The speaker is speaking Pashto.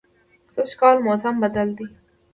سږکال موسم بدل دی